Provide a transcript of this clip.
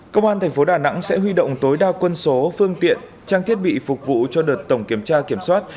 công an thành phố đà nẵng sẽ huy động tối đa quân số phương tiện trang thiết bị phục vụ cho đợt tổng kiểm tra kiểm soát